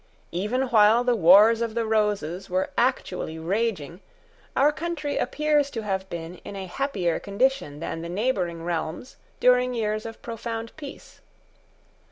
Even while the wars of the Roses were actually raging, our country appears to have been in a happier condition than the neighbouring realms during years of profound peace.